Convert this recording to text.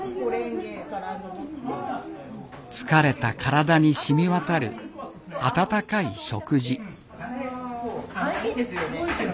疲れた体にしみわたる温かい食事。